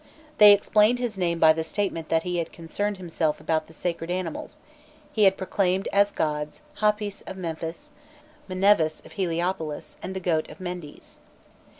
They explained his name by the statement that he had concerned himself about the sacred animals; he had proclaimed as gods, Hâpis of Memphis, Mnevis of Heliopolis, and the goat of Mendes.